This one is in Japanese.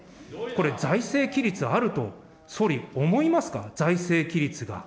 これ、財政規律あると、総理、思いますか、財政規律が。